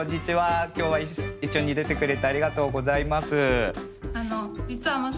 今日は一緒に出てくれてありがとうございます。